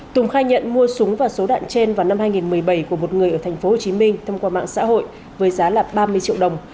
tùng khai nhận mua súng và số đạn trên vào năm hai nghìn một mươi bảy của một người ở tp hcm thông qua mạng xã hội với giá là ba mươi triệu đồng